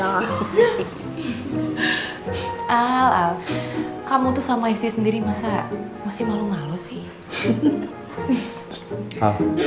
al kamu tuh sama istri sendiri masa masih malu malu sih